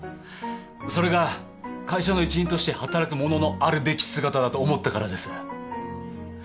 それが会社の一員として働く者のあるべき姿だと思ったからです。